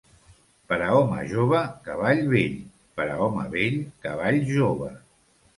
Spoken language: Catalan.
Per a home jove, cavall vell; per a home vell, cavall jove.